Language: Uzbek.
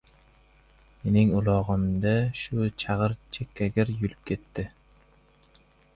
Mening ulog‘imni-da shu Chag‘ir chekkagir yulib ketdi.